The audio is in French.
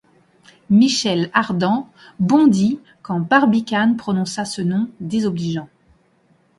Michel Ardan bondit quand Barbicane prononça ce nom désobligeant.